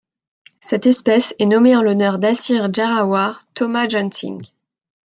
Cette espèce est nommée en l'honneur d'Asir Jawahar Thomas Johnsingh.